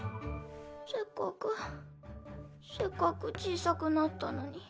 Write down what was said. せっかくせっかく小さくなったのに。